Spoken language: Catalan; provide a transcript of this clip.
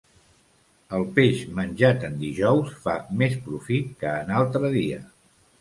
El peix menjat en dijous fa més profit que en altre dia.